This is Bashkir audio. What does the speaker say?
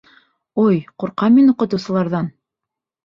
Ой, ҡурҡам мин уҡытыусыларҙан!